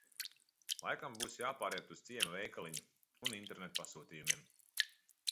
Laikam būs jāpāriet uz ciema veikaliņu un internetpasūtījumiem.